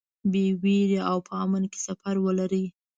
بې وېرې او په امن کې سفر ولرئ.